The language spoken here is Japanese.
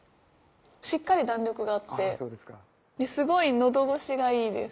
しっかり弾力があってすごい喉ごしがいいです。